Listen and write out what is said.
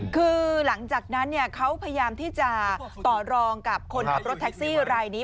คือหลังจากนั้นเขาพยายามที่จะต่อรองกับคนขับรถแท็กซี่รายนี้